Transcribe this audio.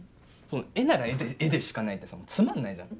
絵なら絵でしかないってつまんないじゃん。